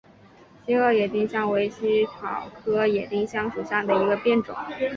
光萼野丁香为茜草科野丁香属下的一个变种。